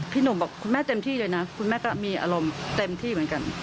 หนุ่มบอกคุณแม่เต็มที่เลยนะคุณแม่ก็มีอารมณ์เต็มที่เหมือนกัน